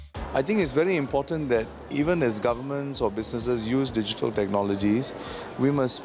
saya pikir sangat penting bahwa walaupun pemerintah atau perusahaan menggunakan teknologi digital